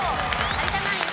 有田ナイン